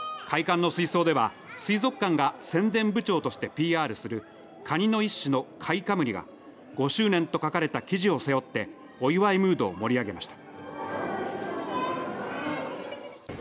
館内の水槽では水族館が宣伝部長としてＰＲするカニの一種のカイカムリが５周年と書かれた生地を背負ってお祝いムードを盛り上げました。